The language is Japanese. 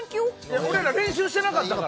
俺ら編集してなかったから。